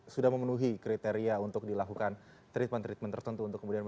sudah memenuhi kriteria untuk dilakukan treatment treatment tertentu untuk kembali ke rumah